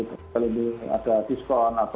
kalau ini ada diskon